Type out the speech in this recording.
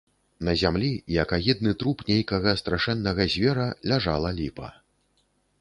На зямлі, як агідны труп нейкага страшэннага звера, ляжала ліпа.